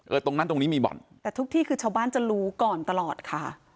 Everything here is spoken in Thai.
ตรงนั้นตรงนี้มีบ่อนแต่ทุกที่คือชาวบ้านจะรู้ก่อนตลอดค่ะ